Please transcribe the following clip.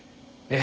え？